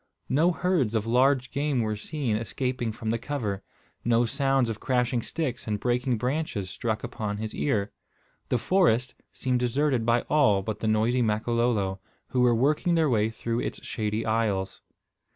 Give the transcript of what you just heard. No herds of large game were seen escaping from the cover. No sounds of crashing sticks and breaking branches struck upon his ear. The forest seemed deserted by all but the noisy Makololo, who were working their way through its shady aisles.